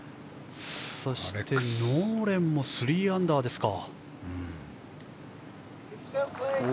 そして、ノーレンも３アンダーですか。